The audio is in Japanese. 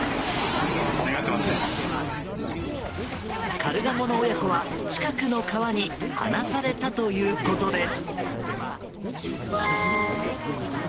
カルガモの親子は近くの川に放されたということです。